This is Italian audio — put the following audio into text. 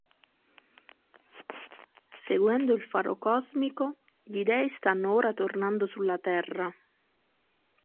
Seguendo il faro cosmico, gli Dei stanno ora tornando sulla Terra.